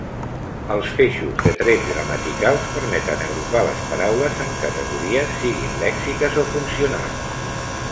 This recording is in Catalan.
Els feixos de trets gramaticals permeten agrupar les paraules en categories, siguin lèxiques o funcionals.